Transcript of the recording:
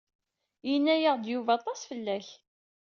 Yenna-aɣ-d Yuba aṭas fell-ak.